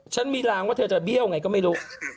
มีรางว่าเธอจะเบี้ยวไงก็ไม่รู้